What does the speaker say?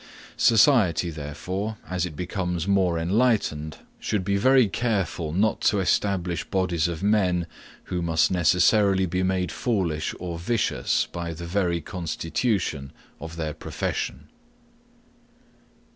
Society, therefore, as it becomes more enlightened, should be very careful not to establish bodies of men who must necessarily be made foolish or vicious by the very constitution of their profession.